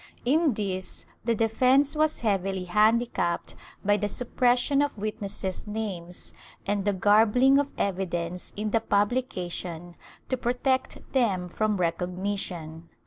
In this the defence was heavily handicapped by the suppression of witnesses' names and the garbUng of evidence in the pubh cation to protect them from recognition.